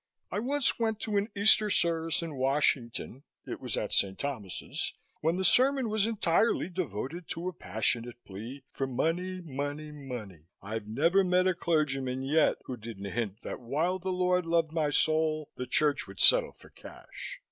I once went to an Easter service in Washington, it was at St. Thomas's, when the sermon was entirely devoted to a passionate plea for money, money, money. I've never met a clergyman yet who didn't hint that while the Lord loved my soul, the Church would settle for cash."